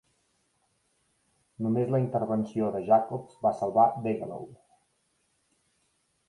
Només la intervenció de Jacobs va salvar Degelow.